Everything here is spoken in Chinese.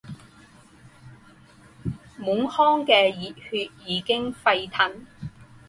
满腔的热血已经沸腾，